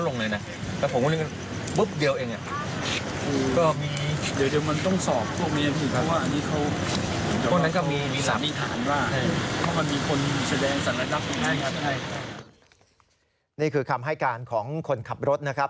นี่คือคำให้การของคนขับรถนะครับ